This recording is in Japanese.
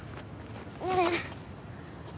ねえ。